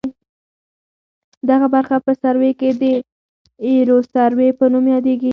دغه برخه په سروې کې د ایروسروې په نوم یادیږي